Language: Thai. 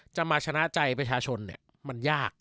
จะมาชนะใจประชาชนมันยาก